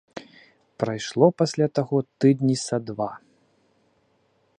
Прайшло пасля таго тыдні са два.